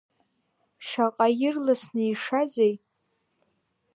Шаҟа ирласны ишазеи?